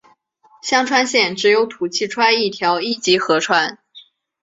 香川县只有土器川一条一级河川。